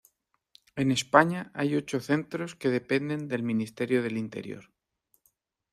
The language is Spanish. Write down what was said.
En España hay ocho centros que dependen del Ministerio del Interior.